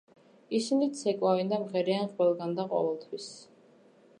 ისინი ცეკვავენ და მღერიან ყველგან და ყოველთვის.